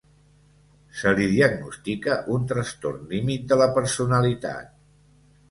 Se li diagnostica un Trastorn límit de la personalitat.